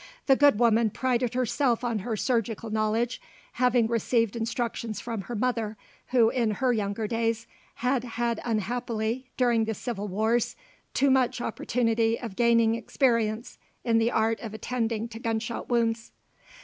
The good woman prided herself on her surgical knowledge, having received instructions from her mother, who in her younger days had had unhappily, during the Civil Wars, too much opportunity of gaining experience in the art of attending to gunshot wounds.